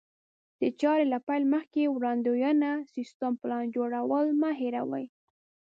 د چارې له پيل مخکې وړاندوینه، سيستم، پلان جوړول مه هېروئ.